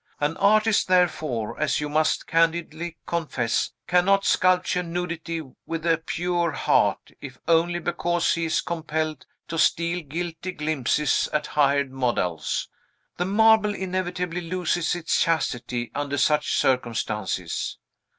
An artist, therefore, as you must candidly confess, cannot sculpture nudity with a pure heart, if only because he is compelled to steal guilty glimpses at hired models. The marble inevitably loses its chastity under such circumstances.